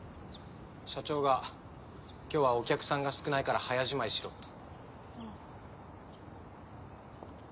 社長が今日はお客さんが少ないから早じまいしろって。